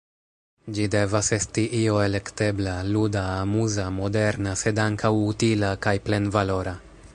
Ĝi devas esti io elektebla, luda, amuza, moderna sed ankaŭ utila kaj plenvalora.